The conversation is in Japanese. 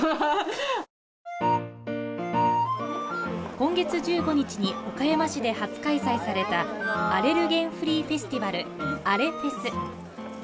今月１５日に岡山市で初開催された「アレルゲンフリーフェスティバル」、「アレ！！ふぇす」。